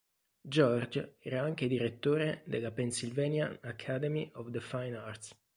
George era anche direttore della Pennsylvania Academy of the Fine Arts.